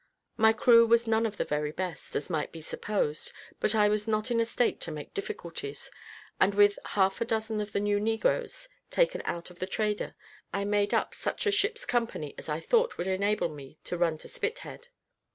My crew was none of the very best, as might be supposed; but I was not in a state to make difficulties; and, with half a dozen of the new Negroes, taken out of the trader, I made up such a ship's company as I thought would enable me to run to Spithead.